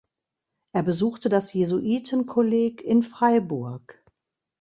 Er besuchte das Jesuitenkolleg in Freiburg.